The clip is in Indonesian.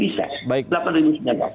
masih harga pipo berarti bisa